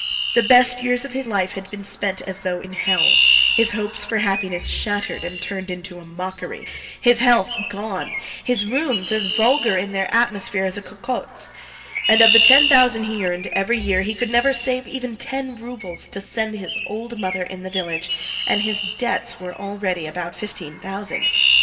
The best years of his life had been spent as though in hell, his hopes for happiness shattered and turned into a mockery, his health gone, his rooms as vulgar in their atmosphere as a cocotte's, and of the ten thousand he earned every year he could never save ten roubles to send his old mother in the village, and his debts were already about fifteen thousand.